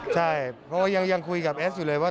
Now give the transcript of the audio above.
ใช่เพราะว่ายังคุยกับแอสอยู่เลยว่า